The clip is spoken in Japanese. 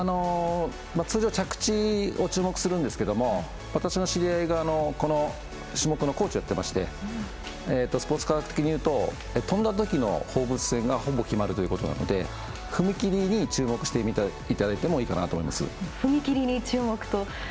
通常、着地を注目するんですけど私の知り合いがこの種目のコーチやってましてスポーツ科学的にいうと飛んだときの放物線でほぼ決まりということで踏み切りに注目してみてもいいと思います。